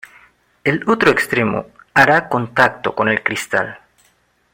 El otro extremo hará contacto con el cristal.